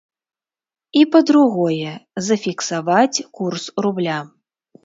І, па-другое, зафіксаваць курс рубля.